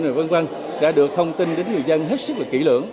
rồi vân vân đã được thông tin đến người dân hết sức là kỹ lưỡng